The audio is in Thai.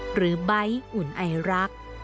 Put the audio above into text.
หรือใบ้อุ่นไอรัก